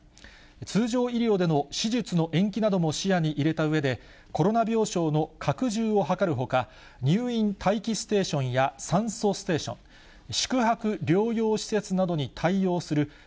通常医療での手術の延期なども視野に入れたうえで、コロナ病床の拡充を図るほか、入院待機ステーションや酸素ステーション、ことです。